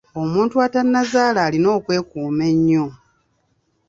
Omuntu atannazaala alina okwekuuma ennyo.